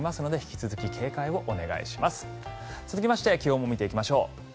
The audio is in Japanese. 続きまして気温も見ていきましょう。